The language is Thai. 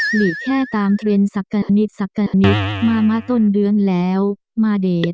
หลีแค่ตามเทรนด์สักกะนิดมาต้นเดือนแล้วมาเดท